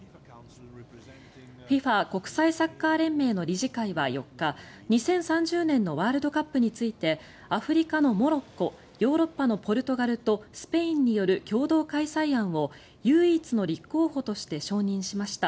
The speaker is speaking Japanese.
ＦＩＦＡ・国際サッカー連盟の理事会は４日２０３０年のワールドカップについてアフリカのモロッコヨーロッパのポルトガルとスペインによる共同開催案を唯一の立候補として承認しました。